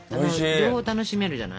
両方楽しめるじゃない。